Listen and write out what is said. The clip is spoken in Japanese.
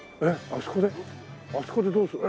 あそこでどうする。